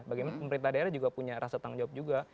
bagaimana pemerintah daerah juga punya rasa tanggung jawab juga